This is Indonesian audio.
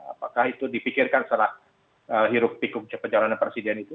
apakah itu dipikirkan setelah hirup pikuk pencalonan presiden itu